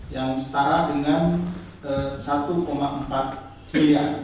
yang setara dengan rp satu empat miliar